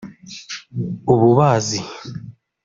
ububazi